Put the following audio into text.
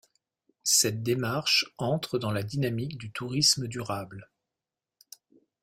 Cette démarche entre dans la dynamique du tourisme durable.